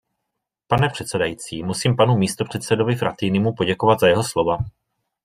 Pane předsedající, musím panu místopředsedovi Frattinimu poděkovat za jeho slova.